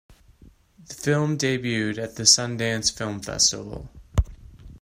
The film debuted at the Sundance Film Festival.